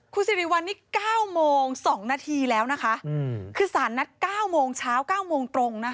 คุณสิริวัลนี่๙โมง๒นาทีแล้วนะคะคือสารนัด๙โมงเช้า๙โมงตรงนะคะ